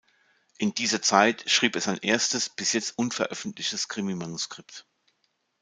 In dieser Zeit schrieb er sein erstes, bis jetzt unveröffentlichtes Krimi-Manuskript.